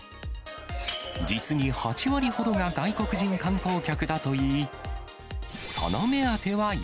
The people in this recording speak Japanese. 実に８割ほどが外国人観光客魚！